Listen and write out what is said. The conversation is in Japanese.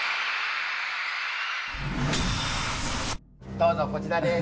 どうぞこちらです。